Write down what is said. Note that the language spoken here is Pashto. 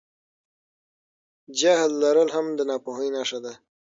جهل لرل هم د ناپوهۍ نښه ده.